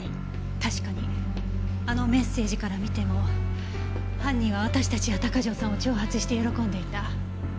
確かにあのメッセージから見ても犯人は私たちや鷹城さんを挑発して喜んでいた。